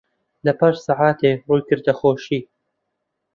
لەپاش سەعاتێ ڕووی کردە خۆشی